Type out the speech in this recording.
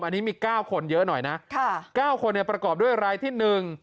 อันนี้มี๙คนเยอะหน่อยนะค่ะ๙คนเนี่ยประกอบด้วยรายที่๑